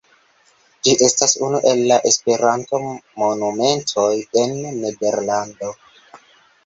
Ĝi estas unu el la Esperantomonumentoj en Nederlando.